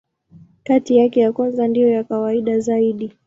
Kati yake, ya kwanza ndiyo ya kawaida zaidi.